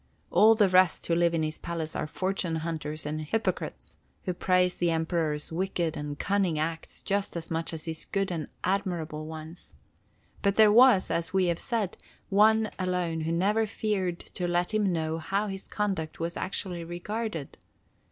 All the rest who live in his palace are fortune hunters and hypocrites, who praise the Emperor's wicked and cunning acts just as much as his good and admirable ones. But there was, as we have said, one alone who never feared to let him know how his conduct was actually regarded.